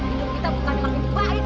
hidup kita bukan makin baik